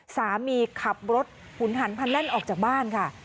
ขับรถหุนหันพันแล่นออกจากบ้านค่ะ